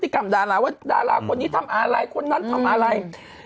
กรรมดาราว่าดาราคนนี้ทำอะไรคนนั้นทำอะไร